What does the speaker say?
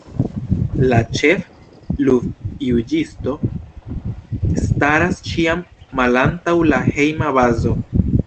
La ĉef-ludjuĝisto staras ĉiam malantaŭ la Hejma Bazo.